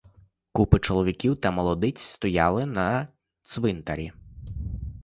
Купи чоловіків та молодиць стояли на цвинтарі.